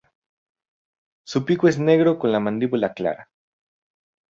Su pico es negro con la mandíbula clara.